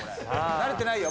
慣れてないよ